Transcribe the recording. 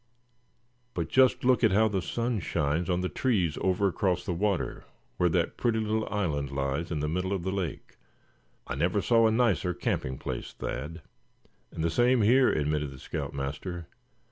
But just look how the sun shines on the trees over across the water, where that pretty little island lies in the middle of the lake. I never saw a nicer camping place, Thad." "And the same here," admitted the scout master.